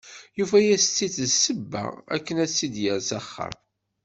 Yufa-as-tt-id d ssebba akken ad tt-id-yerr s axxam.